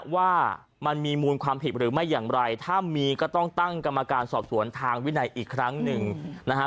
ว่ามันมีมูลความผิดหรือไม่อย่างไรถ้ามีก็ต้องตั้งกรรมการสอบสวนทางวินัยอีกครั้งหนึ่งนะฮะ